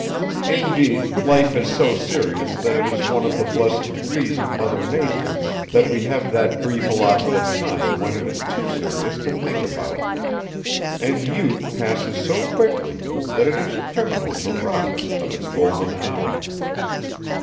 Indeed life is so serious that it is one of the blessed decrees of Mother Nature that we have that brief allotment of time when it is too serious to think about, and youth passes so quickly that it is criminal to rob it of its golden hour.